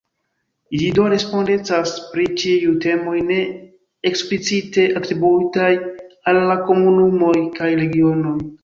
Ĝi do respondecas pri ĉiuj temoj ne eksplicite atribuitaj al la komunumoj kaj regionoj.